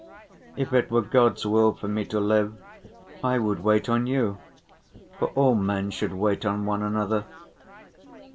If it were God's will for me to live, I would wait on you, for all men should wait on one another."